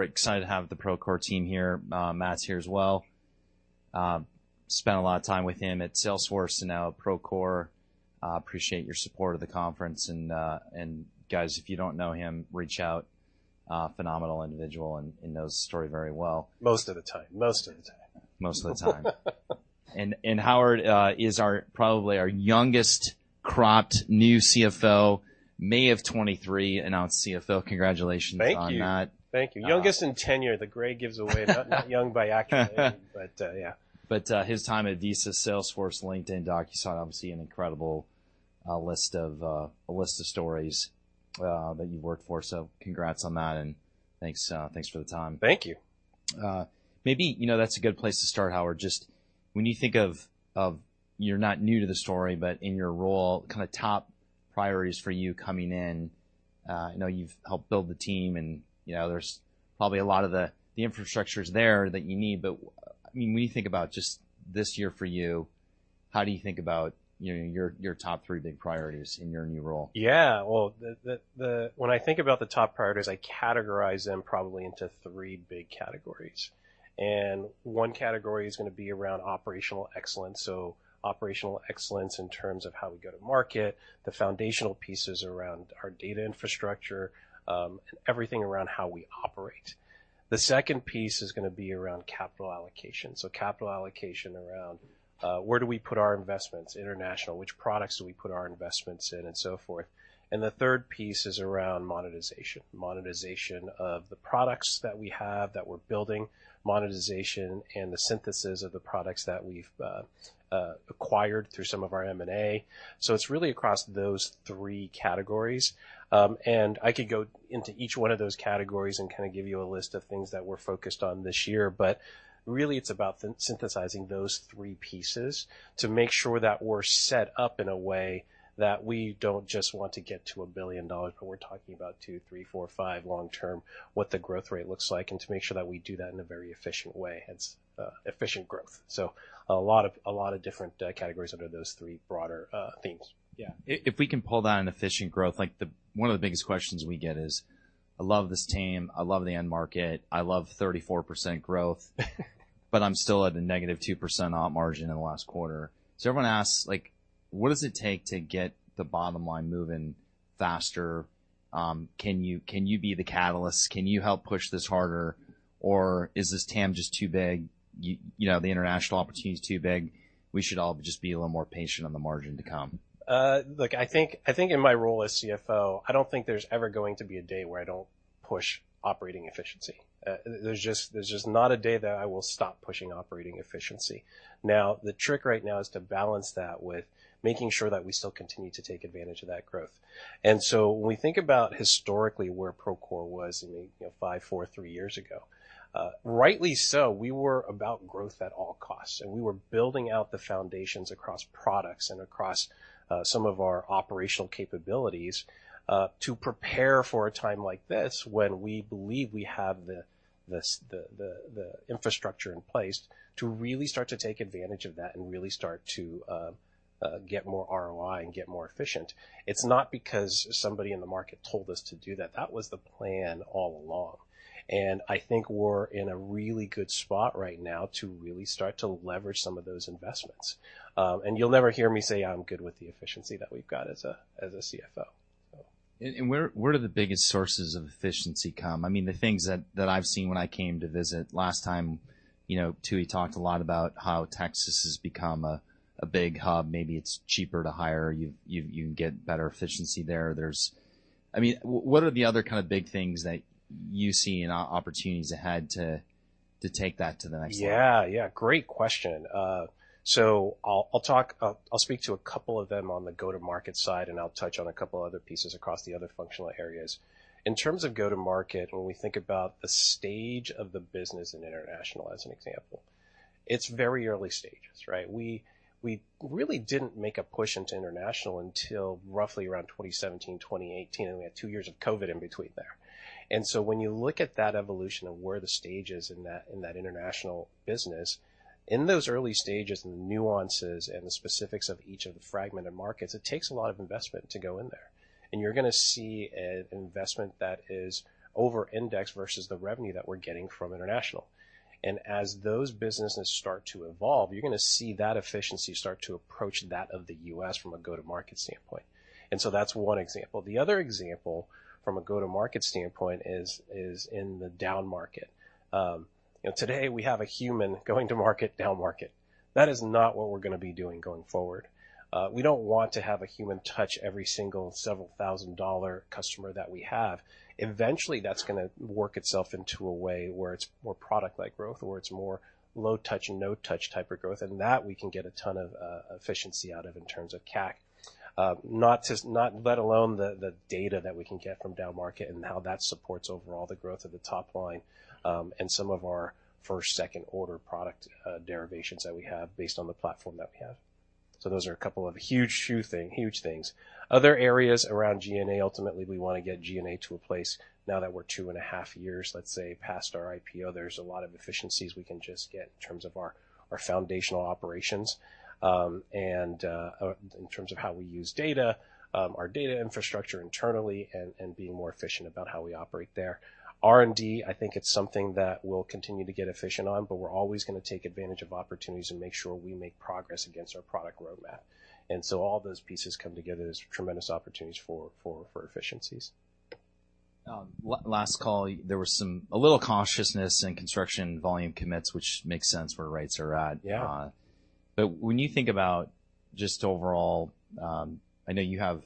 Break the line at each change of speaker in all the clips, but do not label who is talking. We're excited to have the Procore team here. Matt's here as well. Spent a lot of time with him at Salesforce and now Procore. Appreciate your support of the conference, and guys, if you don't know him, reach out. A phenomenal individual and knows the story very well.
Most of the time.
Most of the time. Howard, is probably our youngest crop new CFO, May of 2023, announced CFO. Congratulations.
Thank you.
-on that.
Thank you. Youngest in tenure. The gray gives away I'm not young by academia, but, yeah.
His time at Visa, Salesforce, LinkedIn, DocuSign, obviously an incredible list of stories that you've worked for, so congrats on that, and thanks for the time.
Thank you.
Maybe, you know, that's a good place to start, Howard. Just when you think of... You're not new to the story, but in your role, kind of top priorities for you coming in. I know you've helped build the team, and, you know, there's probably a lot of the infrastructure's there that you need, but, I mean, when you think about just this year for you, how do you think about, you know, your top three big priorities in your new role?
Yeah. Well, the when I think about the top priorities, I categorize them probably into three big categories, and one category is going to be around operational excellence, so operational excellence in terms of how we go to market, the foundational pieces around our data infrastructure, and everything around how we operate. The second piece is going to be around capital allocation, so capital allocation around where do we put our investments international, which products do we put our investments in, and so forth. The third piece is around monetization: monetization of the products that we have, that we're building, monetization and the synthesis of the products that we've acquired through some of our M&A. It's really across those three categories. I could go into each one of those categories and kind of give you a list of things that we're focused on this year. Really, it's about synthesizing those three pieces to make sure that we're set up in a way that we don't just want to get to $1 billion, but we're talking about $2 billion, $3 billion, $4 billion, $5 billion, long term, what the growth rate looks like, and to make sure that we do that in a very efficient way. It's efficient growth. A lot of different categories under those three broader themes. Yeah.
If we can pull down on efficient growth, like, the one of the biggest questions we get is: I love this team, I love the end market, I love 34% growth, but I'm still at a -2% op margin in the last quarter. Everyone asks, like: What does it take to get the bottom line moving faster? Can you, can you be the catalyst? Can you help push this harder, or is this TAM just too big? You know, the international opportunity is too big. We should all just be a little more patient on the margin to come.
Look, I think in my role as CFO, I don't think there's ever going to be a day where I don't push operating efficiency. There's just not a day that I will stop pushing operating efficiency. The trick right now is to balance that with making sure that we still continue to take advantage of that growth. When we think about historically where Procore was, I mean, you know, five, four, three years ago, rightly so, we were about growth at all costs, and we were building out the foundations across products and across some of our operational capabilities to prepare for a time like this, when we believe we have the infrastructure in place to really start to take advantage of that and really start to get more ROI and get more efficient. It's not because somebody in the market told us to do that. That was the plan all along, and I think we're in a really good spot right now to really start to leverage some of those investments. You'll never hear me say, "I'm good with the efficiency that we've got," as a CFO.
Where do the biggest sources of efficiency come? I mean, the things that I've seen when I came to visit last time, you know, Tooey talked a lot about how Texas has become a big hub. Maybe it's cheaper to hire, you can get better efficiency there. I mean, what are the other kind of big things that you see and opportunities ahead to take that to the next level?
Yeah, yeah, great question. I'll speak to a couple of them on the go-to-market side, and I'll touch on a couple other pieces across the other functional areas. In terms of go-to-market, when we think about the stage of the business in international, as an example, it's very early stages, right? We really didn't make a push into international until roughly around 2017, 2018, and we had two years of COVID in between there. When you look at that evolution of where the stage is in that international business, in those early stages, and the nuances and the specifics of each of the fragmented markets, it takes a lot of investment to go in there, and you're going to see an investment that is overindexed versus the revenue that we're getting from international. As those businesses start to evolve, you're going to see that efficiency start to approach that of the U.S. from a go-to-market standpoint. That's one example. The other example, from a go-to-market standpoint, is in the down market. You know, today we have a human going to market, down market. That is not what we're going to be doing going forward. We don't want to have a human touch every single several thousand dollar customer that we have. Eventually, that's going to work itself into a way where it's more product-led growth or it's more low-touch, no-touch type of growth, and that we can get a ton of efficiency out of in terms of CAC. Not let alone the data that we can get from down market and how that supports overall the growth of the top line, and some of our first, second-order product derivations that we have based on the platform that we have. Those are a couple of huge things. Other areas around G&A, ultimately, we wanna get G&A to a place now that we're two and a half, let's say, past our IPO. There's a lot of efficiencies we can just get in terms of our foundational operations, and in terms of how we use data, our data infrastructure internally, and being more efficient about how we operate there. R&D, I think it's something that we'll continue to get efficient on, but we're always gonna take advantage of opportunities and make sure we make progress against our product roadmap. All those pieces come together as tremendous opportunities for efficiencies.
last call, there was a little cautiousness in construction volume commits, which makes sense where rates are at.
Yeah.
When you think about just overall, I know you have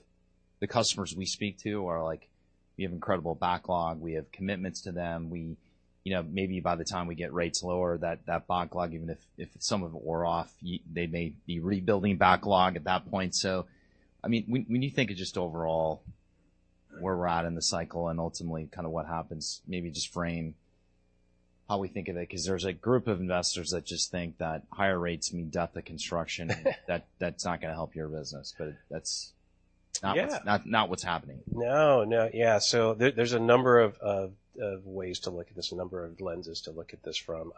the customers we speak to are like, "We have incredible backlog. We have commitments to them. We, you know, maybe by the time we get rates lower, that backlog, even if some of it wore off, they may be rebuilding backlog at that point." I mean, when you think of just overall where we're at in the cycle and ultimately kind of what happens, maybe just frame how we think of it, 'cause there's a group of investors that just think that higher rates mean death to construction. That's not gonna help your business, but that's not-
Yeah
not what's happening.
No. Yeah, there's a number of ways to look at this, a number of lenses to look at this from.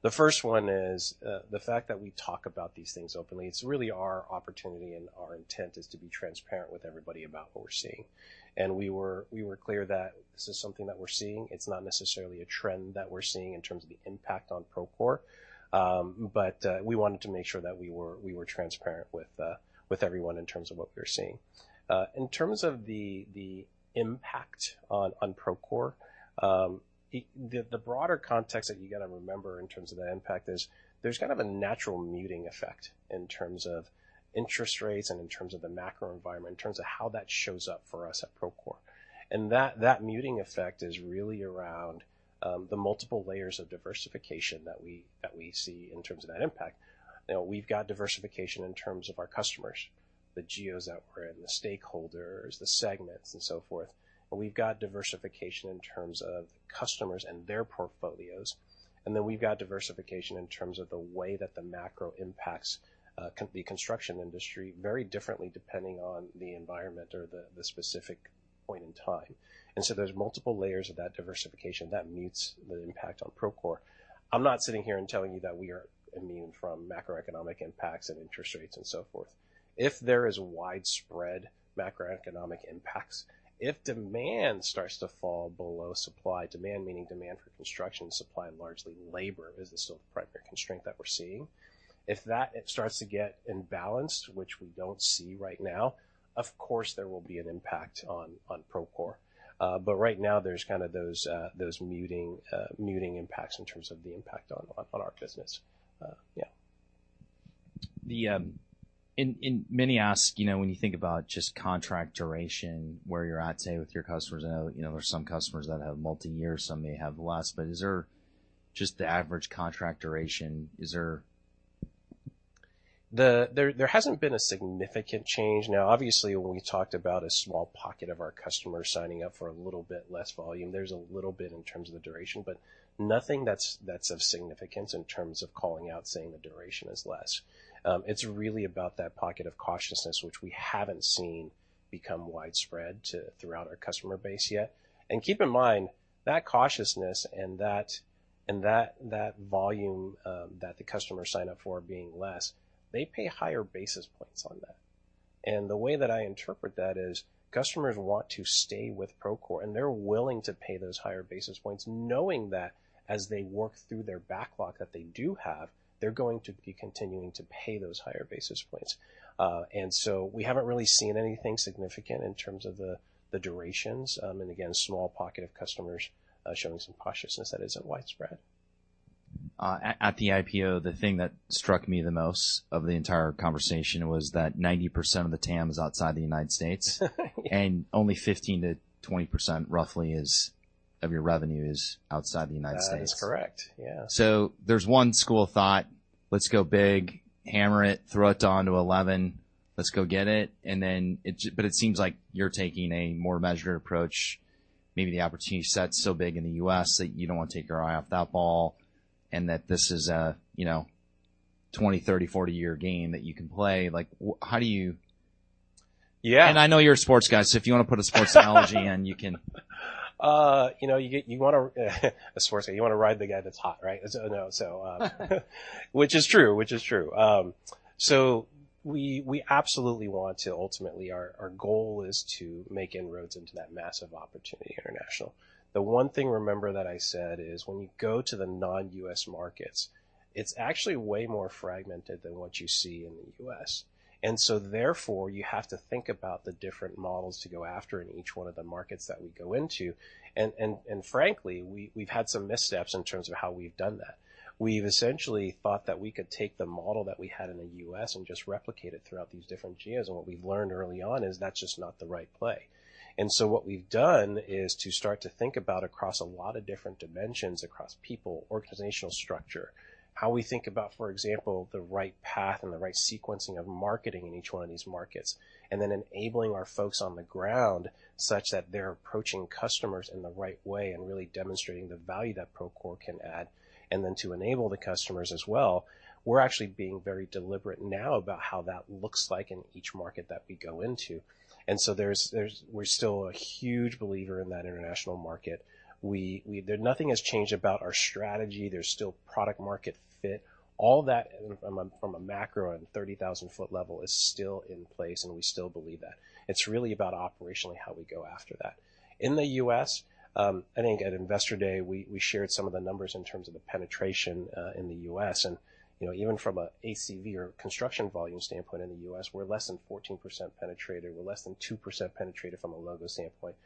The first one is the fact that we talk about these things openly, it's really our opportunity, and our intent is to be transparent with everybody about what we're seeing. We were clear that this is something that we're seeing. It's not necessarily a trend that we're seeing in terms of the impact on Procore. We wanted to make sure that we were transparent with everyone in terms of what we're seeing. In terms of the impact on Procore, the broader context that you got to remember in terms of the impact is there's kind of a natural muting effect in terms of interest rates and in terms of the macro environment, in terms of how that shows up for us at Procore. That, that muting effect is really around the multiple layers of diversification that we, that we see in terms of that impact. You know, we've got diversification in terms of our customers, the geos that we're in, the stakeholders, the segments, and so forth, and we've got diversification in terms of customers and their portfolios. Then we've got diversification in terms of the way that the macro impacts the construction industry very differently, depending on the environment or the specific point in time. There's multiple layers of that diversification that mutes the impact on Procore. I'm not sitting here and telling you that we are immune from macroeconomic impacts and interest rates and so forth. If there is widespread macroeconomic impacts, if demand starts to fall below supply, demand, meaning demand for construction, supply, largely labor, is the sort of primary constraint that we're seeing. If that starts to get imbalanced, which we don't see right now, of course, there will be an impact on Procore. Right now, there's kind of those muting impacts in terms of the impact on our business.
Many ask, you know, when you think about just contract duration, where you're at, say, with your customers, I know, you know, there are some customers that have multi-year, some may have less, but is there just the average contract duration? Is there
There hasn't been a significant change. Obviously, when we talked about a small pocket of our customers signing up for a little bit less volume, there's a little bit in terms of the duration, but nothing that's of significance in terms of calling out, saying the duration is less. It's really about that pocket of cautiousness, which we haven't seen become widespread throughout our customer base yet. Keep in mind, that cautiousness and that volume that the customers sign up for being less, they pay higher basis points on that. The way that I interpret that is, customers want to stay with Procore, and they're willing to pay those higher basis points, knowing that as they work through their backlog that they do have, they're going to be continuing to pay those higher basis points. We haven't really seen anything significant in terms of the durations, and again, a small pocket of customers, showing some cautiousness that isn't widespread.
At the IPO, the thing that struck me the most of the entire conversation was that 90% of the TAM is outside the U.S. Only 15%-20%, roughly, of your revenue is outside the U.S.
That is correct, yeah.
There's one school of thought: Let's go big, hammer it, throw it to 11, let's go get it, but it seems like you're taking a more measured approach. Maybe the opportunity set's so big in the U.S. that you don't wanna take your eye off that ball, and that this is a, you know, 20, 30, 40-year game that you can play. Like, how do you?
Yeah.
I know you're a sports guy, so if you wanna put a sports analogy in, you can.
you know, you wanna, a sports guy, you wanna ride the guy that's hot, right? No. Which is true. We absolutely want to ultimately, our goal is to make inroads into that massive opportunity international. The one thing, remember, that I said is, when you go to the non-U.S. markets, it's actually way more fragmented than what you see in the U.S. Therefore, you have to think about the different models to go after in each one of the markets that we go into. Frankly, we've had some missteps in terms of how we've done that. We've essentially thought that we could take the model that we had in the U.S. and just replicate it throughout these different geos. What we've learned early on is that's just not the right play. What we've done is to start to think about across a lot of different dimensions, across people, organizational structure, how we think about, for example, the right path and the right sequencing of marketing in each one of these markets, and then enabling our folks on the ground such that they're approaching customers in the right way and really demonstrating the value that Procore can add, and then to enable the customers as well. We're actually being very deliberate now about how that looks like in each market that we go into. There's-- we're still a huge believer in that international market. We-- there-- nothing has changed about our strategy. There's still product-market fit. All that, from a macro and 30,000 foot level, is still in place, and we still believe that. It's really about operationally, how we go after that. In the U.S., I think at Investor Day, we shared some of the numbers in terms of the penetration in the U.S., you know, even from a ACV or construction volume standpoint in the U.S., we're less than 14% penetrated. We're less than 2% penetrated from a logo standpoint.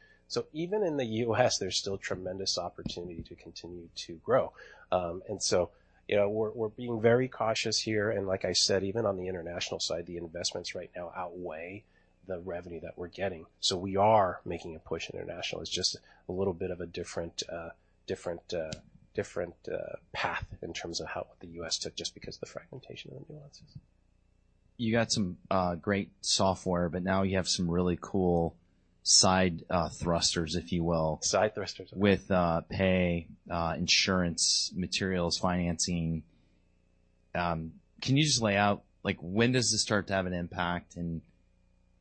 Even in the U.S., there's still tremendous opportunity to continue to grow. You know, we're being very cautious here, and like I said, even on the international side, the investments right now outweigh the revenue that we're getting. We are making a push in international. It's just a little bit of a different path in terms of how the U.S. took, just because of the fragmentation of the nuances.
You got some great software, but now you have some really cool side thrusters, if you will.
Side thrusters.
-with, pay, insurance, Materials Financing. can you just lay out, like, when does this start to have an impact?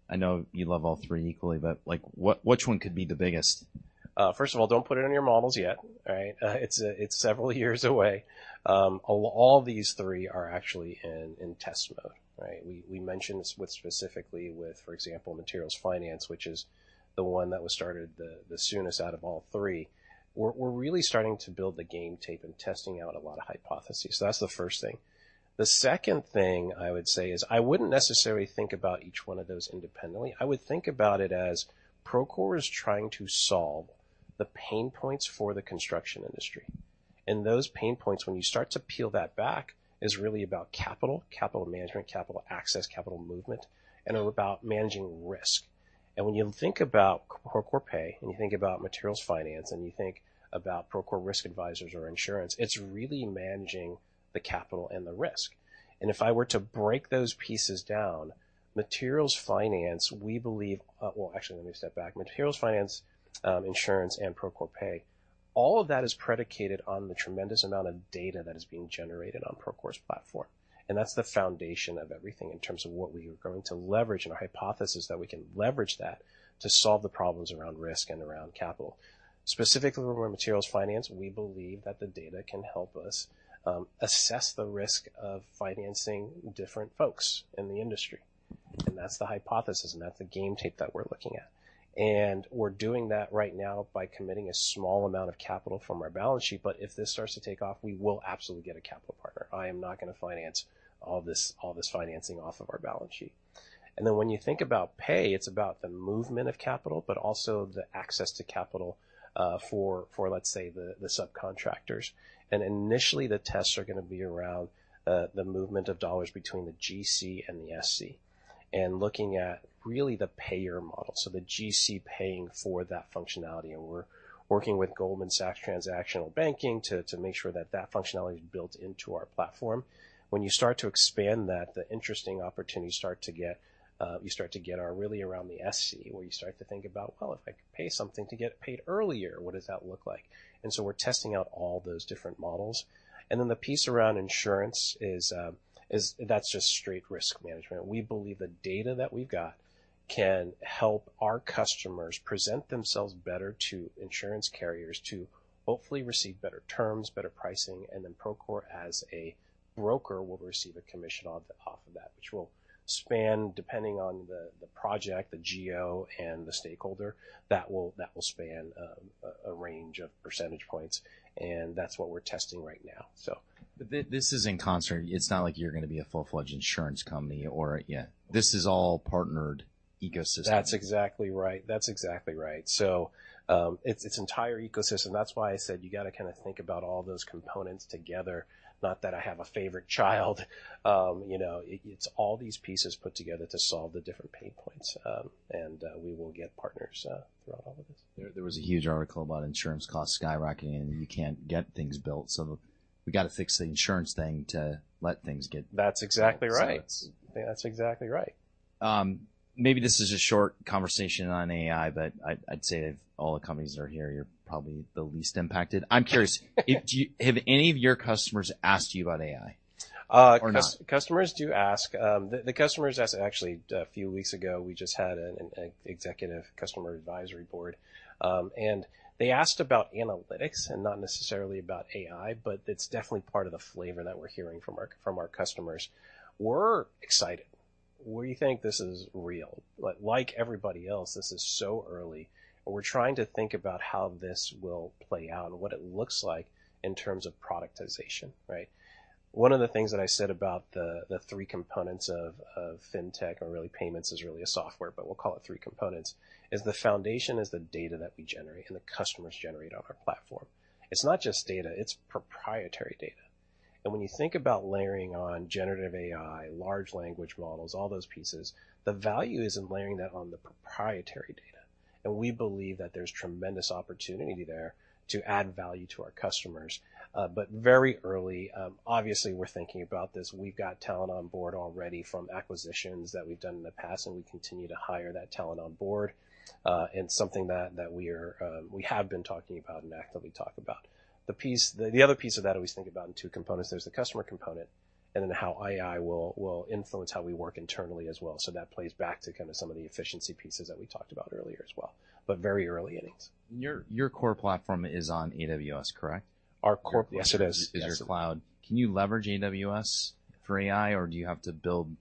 I know you love all three equally, but, like, which one could be the biggest?
First of all, don't put it in your models yet, right? It's, it's several years away. All these three are actually in test mode, right? We mentioned this with specifically with, for example, Materials Financing, which is the one that was started the soonest out of all three. We're really starting to build the game tape and testing out a lot of hypotheses. That's the first thing. The second thing I would say is, I wouldn't necessarily think about each one of those independently. I would think about it as Procore is trying to solve the pain points for the construction industry. Those pain points, when you start to peel that back, is really about capital management, capital access, capital movement, and about managing risk. When you think about Procore Pay, and you think about Materials Financing, and you think about Procore Risk Advisors or insurance, it's really managing the capital and the risk. If I were to break those pieces down, Materials Financing, we believe. Well, actually, let me step back. Materials, finance, insurance, and Procore Pay, all of that is predicated on the tremendous amount of data that is being generated on Procore's platform, and that's the foundation of everything in terms of what we are going to leverage and our hypothesis that we can leverage that to solve the problems around risk and around capital. Specifically, around Materials Financing, we believe that the data can help us assess the risk of financing different folks in the industry, and that's the hypothesis, and that's the game tape that we're looking at. We're doing that right now by committing a small amount of capital from our balance sheet, but if this starts to take off, we will absolutely get a capital partner. I am not gonna finance all this financing off of our balance sheet. When you think about Pay, it's about the movement of capital, but also the access to capital for, let's say, the subcontractors. Initially, the tests are gonna be around the movement of dollars between the GC and the SC, and looking at really the payer model, so the GC paying for that functionality. We're working with Goldman Sachs Transaction Banking to make sure that that functionality is built into our platform. When you start to expand that, the interesting opportunities start to get are really around the SC, where you start to think about: "Well, if I could pay something to get paid earlier, what does that look like?" We're testing out all those different models. The piece around insurance is. That's just straight risk management. We believe the data that we've got can help our customers present themselves better to insurance carriers to hopefully receive better terms, better pricing, and then Procore, as a broker, will receive a commission off of that, which will span depending on the project, the GC, and the stakeholder. That will span a range of percentage points, and that's what we're testing right now.
This is in concert. It's not like you're gonna be a full-fledged insurance company or. Yeah. This is all partnered ecosystem.
That's exactly right. That's exactly right. It's entire ecosystem. That's why I said you gotta kind of think about all those components together, not that I have a favorite child. You know, it's all these pieces put together to solve the different pain points, and we will get partners throughout all of this.
There was a huge article about insurance costs skyrocketing, and you can't get things built, so we gotta fix the insurance thing to let things get built.
That's exactly right.
That's-
That's exactly right.
Maybe this is a short conversation on AI, but I'd say of all the companies that are here, you're probably the least impacted. I'm curious, if, do you have any of your customers asked you about AI or not?
Customers do ask. The customers asked, actually, a few weeks ago, we just had an executive customer advisory board, and they asked about Analytics and not necessarily about AI, but it's definitely part of the flavor that we're hearing from our customers. We're excited. We think this is real. Like everybody else, this is so early, and we're trying to think about how this will play out and what it looks like in terms of productization, right? One of the things that I said about the three components of fintech, or really payments, is really a software, but we'll call it three components, is the foundation is the data that we generate and the customers generate on our platform. It's not just data, it's proprietary data. When you think about layering on generative AI, large language models, all those pieces, the value is in layering that on the proprietary data, and we believe that there's tremendous opportunity there to add value to our customers. Very early, obviously, we're thinking about this. We've got talent on board already from acquisitions that we've done in the past, and we continue to hire that talent on board, and something that we have been talking about and actively talk about. The other piece of that, I always think about in two components: there's the customer component, and then how AI will influence how we work internally as well. That plays back to kind of some of the efficiency pieces that we talked about earlier as well, but very early innings.
Your core platform is on AWS, correct?
Our core-
Yeah.
Yes, it is.
Is your cloud. Can you leverage AWS for AI, or do you have to build?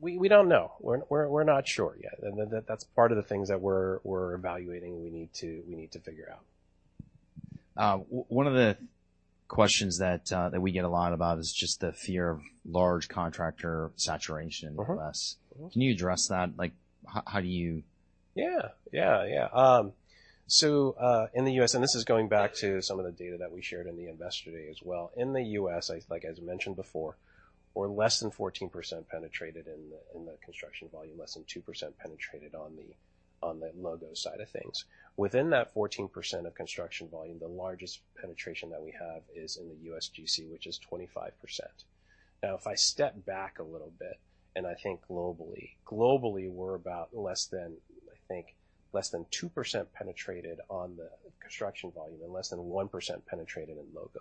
We don't know. We're not sure yet, and that's part of the things that we're evaluating, and we need to figure out.
One of the questions that we get a lot about is just the fear of large contractor saturation.
Mm-hmm
in the U.S.
Mm-hmm.
Can you address that? Like, how do you-?
Yeah! Yeah. In the U.S. This is going back to some of the data that we shared in the Investor Day as well. In the U.S., I, like, as mentioned before, we're less than 14% penetrated in the, in the construction volume, less than 2% penetrated on the, on the logo side of things. Within that 14% of construction volume, the largest penetration that we have is in the U.S. GC, which is 25%. If I step back a little bit, and I think globally, we're about less than, I think, less than 2% penetrated on the construction volume and less than 1% penetrated in logo.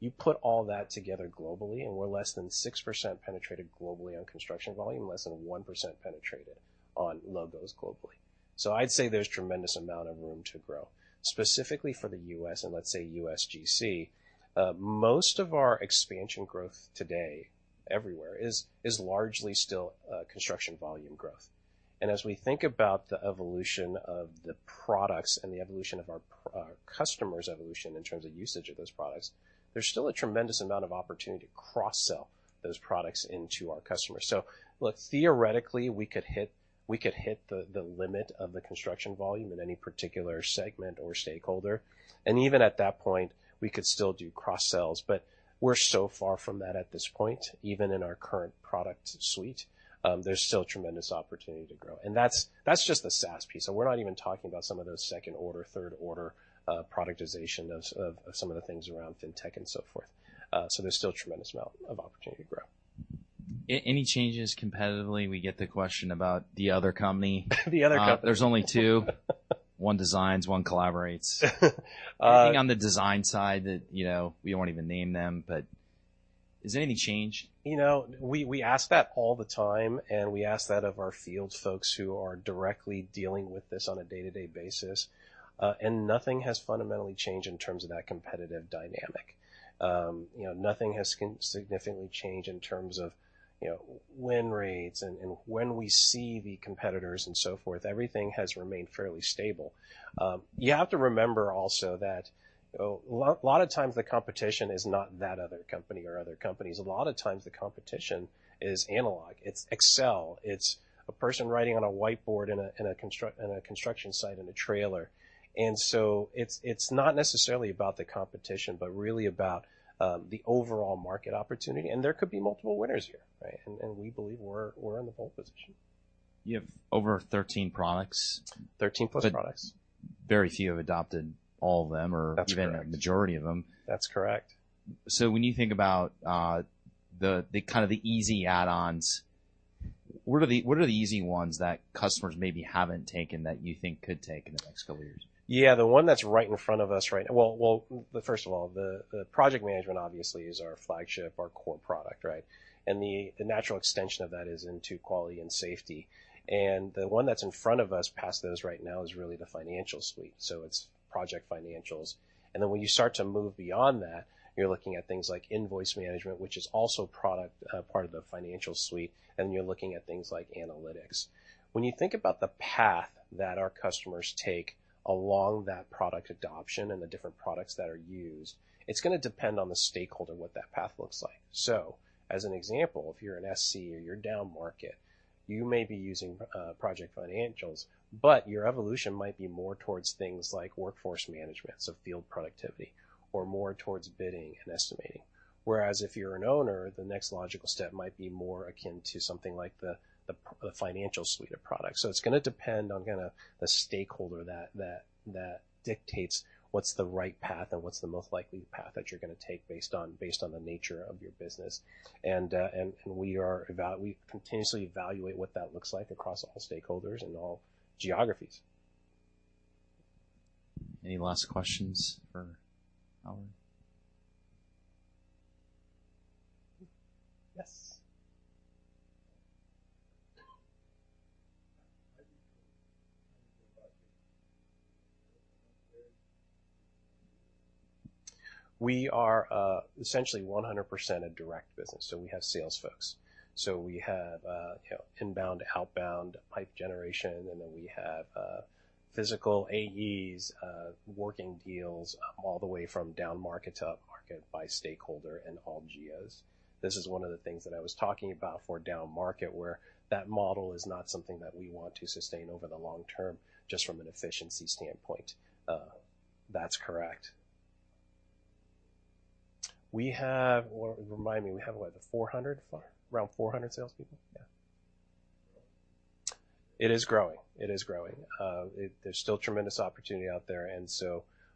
You put all that together globally, we're less than 6% penetrated globally on construction volume, less than 1% penetrated on logos globally. I'd say there's tremendous amount of room to grow. Specifically for the U.S., and let's say U.S. GC, most of our expansion growth today, everywhere, is largely still, construction volume growth. As we think about the evolution of the products and the evolution of our customers' evolution in terms of usage of those products, there's still a tremendous amount of opportunity to cross-sell those products into our customers. Look, theoretically, we could hit the limit of the construction volume in any particular segment or stakeholder, and even at that point, we could still do cross-sells, but we're so far from that at this point, even in our current product suite, there's still tremendous opportunity to grow. That's just the SaaS piece, so we're not even talking about some of those second order, third order, productization of some of the things around fintech and so forth. There's still tremendous amount of opportunity to grow.
Any changes competitively? We get the question about the other company.
The other company.
there's only two. One designs, one collaborates.
Uh-
I think on the design side that, you know, we won't even name them, but is there any change?
You know, we ask that all the time, and we ask that of our field folks who are directly dealing with this on a day-to-day basis. Nothing has fundamentally changed in terms of that competitive dynamic. You know, nothing has significantly changed in terms of, you know, win rates and when we see the competitors and so forth. Everything has remained fairly stable. You have to remember also that a lot of times the competition is not that other company or other companies. A lot of times the competition is analog, it's Excel, it's a person writing on a whiteboard in a construction site in a trailer. It's not necessarily about the competition, but really about the overall market opportunity. There could be multiple winners here, right? We believe we're in the pole position.
You have over 13 products?
13+ products.
Very few have adopted all of them.
That's correct.
or even a majority of them.
That's correct.
When you think about the kind of the easy add-ons, what are the easy ones that customers maybe haven't taken that you think could take in the next couple of years?
The one that's right in front of us, right? First of all, the Project Management obviously is our flagship, our core product, right? The natural extension of that is into Quality & Safety. The one that's in front of us past those right now is really the financial suite, so it's Project Financials. When you start to move beyond that, you're looking at things like Invoice Management, which is also product, part of the financial suite, and you're looking at things like Analytics. When you think about the path that our customers take along that product adoption and the different products that are used, it's gonna depend on the stakeholder, what that path looks like. As an example, if you're an SC or you're downmarket, you may be using Project Financials, but your evolution might be more towards things like Workforce Management, so field productivity, or more towards bidding and estimating. Whereas if you're an owner, the next logical step might be more akin to something like the financial suite of products. It's gonna depend on kind of the stakeholder that dictates what's the right path and what's the most likely path that you're gonna take based on, based on the nature of your business. We continuously evaluate what that looks like across all stakeholders and all geographies.
Any last questions for Howard?
Yes. We are essentially 100% a direct business, we have sales folks. We have, you know, inbound, outbound pipe generation, we have physical AEs working deals all the way from downmarket to upmarket by stakeholder and all geos. This is one of the things that I was talking about for downmarket, where that model is not something that we want to sustain over the long term, just from an efficiency standpoint. That's correct. We have... Well, remind me, we have, what, 400, around 400 salespeople? Yeah. It is growing. It is growing. There's still tremendous opportunity out there,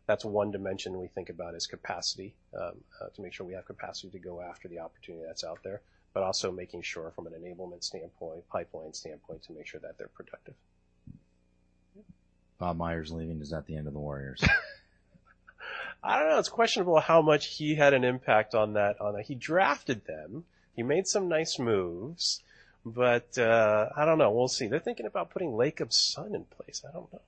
that's one dimension we think about, is capacity, to make sure we have capacity to go after the opportunity that's out there, but also making sure from an enablement standpoint, pipeline standpoint, to make sure that they're productive.
Bob Myers leaving, is that the end of the Warriors?
I don't know. It's questionable how much he had an impact on that. He drafted them. He made some nice moves, I don't know. We'll see. They're thinking about putting Lacob's son in place. I don't know.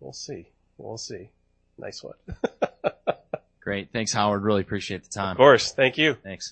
We'll see. We'll see. Nice one.
Great. Thanks, Howard. Really appreciate the time.
Of course. Thank you.
Thanks.